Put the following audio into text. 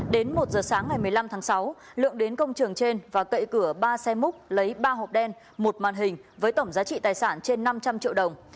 đến một giờ sáng ngày một mươi năm tháng sáu lượng đến công trường trên và cậy cửa ba xe múc lấy ba hộp đen một màn hình với tổng giá trị tài sản trên năm trăm linh triệu đồng